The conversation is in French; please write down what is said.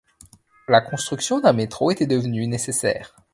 La construction d'un métro était devenue nécessaire.